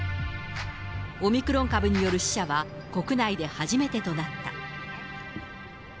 オミクロン株による死者は国内で初めてとなった。